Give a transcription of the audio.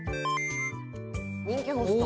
人気ホスト。